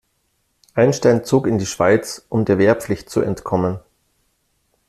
Einstein zog in die Schweiz, um der Wehrpflicht zu entkommen.